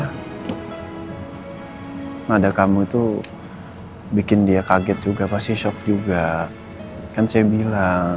hai ada kamu itu bikin dia kaget juga pasti shock juga kan saya bilang